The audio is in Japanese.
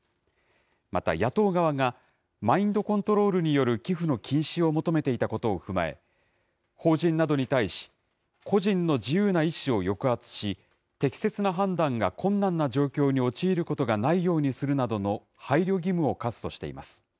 また、野党側が、マインドコントロールによる寄付の禁止を求めていたことを踏まえ、法人などに対し、個人の自由な意思を抑圧し、適切な判断が困難な状況に陥ることがないようにするなどの配慮義務を課すとしています。